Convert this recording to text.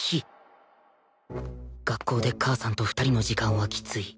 学校で母さんと２人の時間はきつい